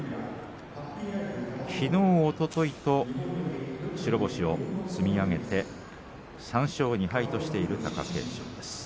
きのう、おとといと白星を積み上げて３勝２敗としている貴景勝です。